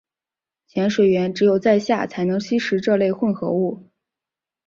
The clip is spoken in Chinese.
潜水员只有在下才能吸入这类混合物。